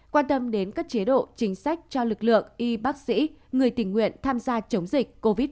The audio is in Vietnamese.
quan tâm đến các chế độ chính sách cho lực lượng y bác sĩ người tình nguyện tham gia chống dịch covid một mươi chín